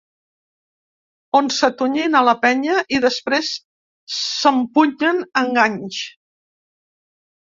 On s’atonyina la penya i després s’empunyen enganys.